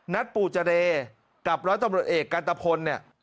นัดปู่จเลกับร้อยตำรวจเอกกันตระพล